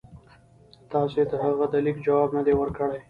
تاسي د هغه د لیک جواب نه دی ورکړی.